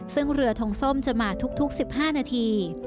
ซึ่งเรือทงส้มจะมาทุก๑๕นาที